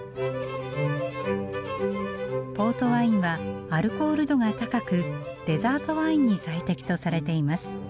ポートワインはアルコール度が高くデザートワインに最適とされています。